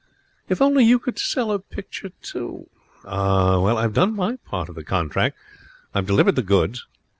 'If only you could sell a picture, too!' 'Ah! Well, I've done my part of the contract. I've delivered the goods.